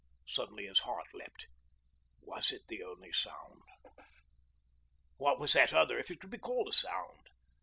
Suddenly his heart leapt ... was it the only sound? What was that other, if it could be called a sound?